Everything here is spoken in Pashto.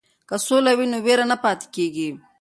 که سوله وي نو وېره نه پاتې کیږي.